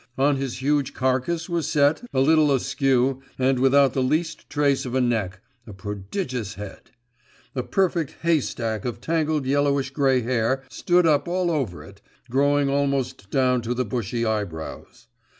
On his huge carcase was set, a little askew, and without the least trace of a neck, a prodigious head. A perfect haystack of tangled yellowish grey hair stood up all over it, growing almost down to the bushy eyebrows.